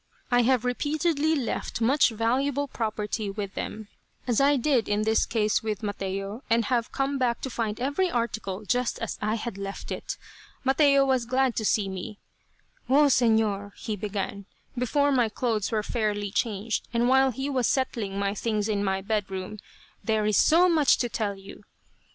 I have repeatedly left much valuable property with them, as I did in this case with Mateo, and have come back to find every article just as I had left it. Mateo was glad to see me. "Oh Señor," he began, before my clothes were fairly changed, and while he was settling my things in my bed room, "there is so much to tell you."